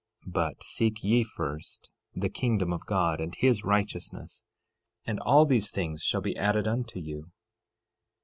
13:33 But seek ye first the kingdom of God and his righteousness, and all these things shall be added unto you.